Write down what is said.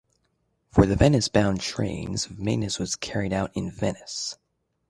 For the Venice-bound trains, maintenance was carried out in Venice.